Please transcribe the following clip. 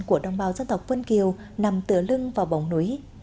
của đông bào dân tộc vân kiều nằm tửa lưng vào bóng núi